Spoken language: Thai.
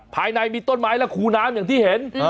ภายในมีต้นไม้และคูน้ำอย่างที่เห็น